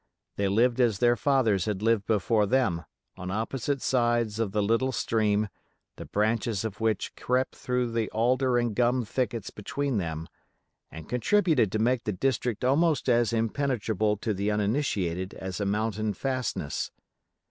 They lived as their fathers had lived before them, on opposite sides of the little stream, the branches of which crept through the alder and gum thickets between them, and contributed to make the district almost as impenetrable to the uninitiated as a mountain fastness.